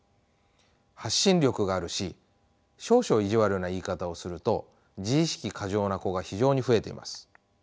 発信力があるし少々意地悪な言い方をすると自意識過剰な子が非常に増えています。